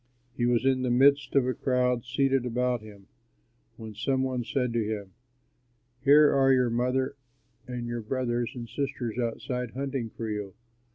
He was in the midst of a crowd seated about him when some one said to him, "Here are your mother and your brothers and sisters outside hunting for you."